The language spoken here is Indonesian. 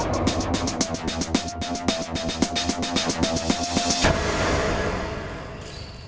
kami akan melakukannya